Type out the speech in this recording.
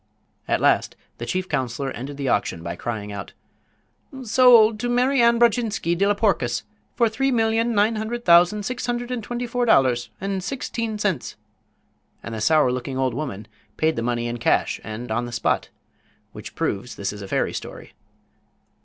At last the chief counselor ended the auction by crying out: "Sold to Mary Ann Brodjinsky de la Porkus for three million, nine hundred thousand, six hundred and twenty four dollars and sixteen cents!" And the sour looking old woman paid the money in cash and on the spot, which proves this is a fairy story.